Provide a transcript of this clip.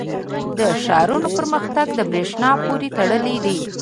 • د ښارونو پرمختګ د برېښنا پورې تړلی دی.